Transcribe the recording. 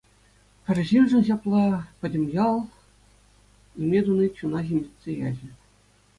Пӗр ҫыншӑн ҫапла пӗтӗм ял ниме туни чуна ҫемҫетсе ячӗ.